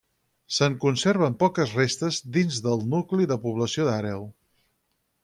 Se'n conserven poques restes, dins del nucli de població d'Àreu.